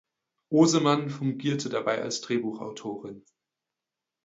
Oseman fungierte dabei als Drehbuchautorin.